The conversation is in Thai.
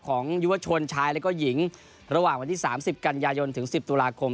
ยุวชนชายและก็หญิงระหว่างวันที่๓๐กันยายนถึง๑๐ตุลาคม